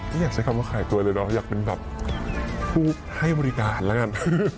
อยากใช้คำว่าขายตัวเลยเนาะอยากเป็นแบบผู้ให้บริการแล้วกัน